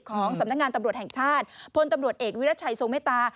สำนักงานตำรวจแห่งชาติพลตำรวจเอกวิรัชัยทรงเมตตา